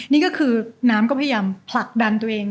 นี่ก็คือน้ำก็พยายามผลักดันตัวเอง